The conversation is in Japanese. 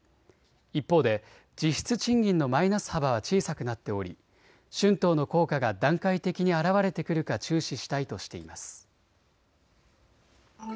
一方で実質賃金のマイナス幅は小さくなっており春闘の効果が段階的に現れてくるか注視したいとしています。